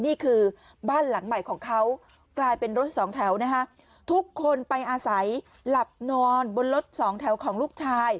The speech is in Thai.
นี่คือบ้านหลังใหม่ของเขากลายเป็นรถสองแถวนะคะ